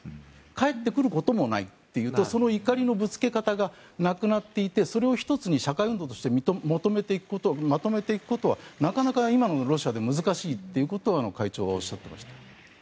帰ってくることもないというとその怒りのぶつけ方がなくなっていてそれを１つの社会運動としてまとめていくことはなかなか今のロシアでは難しいということを会長はおっしゃっていました。